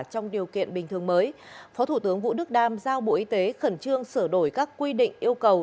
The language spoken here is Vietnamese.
trong điều kiện bình thường mới phó thủ tướng vũ đức đam giao bộ y tế khẩn trương sửa đổi các quy định yêu cầu